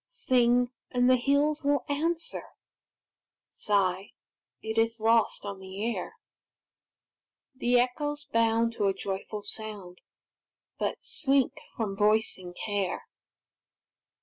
Sing, and the hills will answer; Sigh, it is lost on the air; The echoes bound to a joyful sound, But shrink from voicing care.